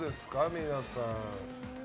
皆さん。